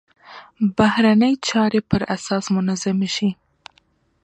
بهرنۍ چارې پر اساس منظمې شي.